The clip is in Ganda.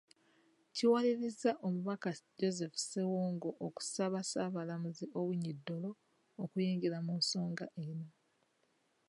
Kiwaliriza Omubaka Joseph Ssewungu okusaba Ssaabalamuzi Owiny Dollo okuyingira mu nsonga eno.